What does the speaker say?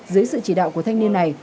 dưới sự chỉ đạo của thanh niên này